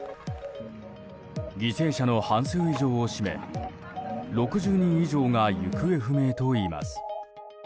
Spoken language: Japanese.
犠牲者の半数以上を占め６０人以上が行方不明といいます。